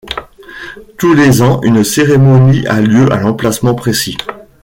Tous les ans, une cérémonie a lieu à l'emplacement précis.